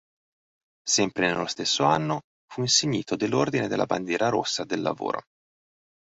Sempre nello stesso anno fu insignito dell'Ordine della Bandiera rossa del lavoro.